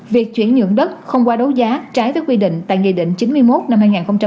việc chuyển nhượng đất không qua đấu giá trái với quy định tại nghị định chín mươi một năm hai nghìn một mươi bốn